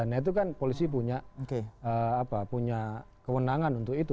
nah itu kan polisi punya kewenangan untuk itu